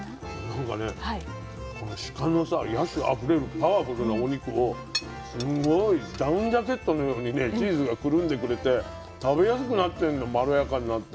なんかねこのシカのさ野趣あふれるパワフルなお肉をすごいダウンジャケットのようにねチーズがくるんでくれて食べやすくなってんのまろやかになって。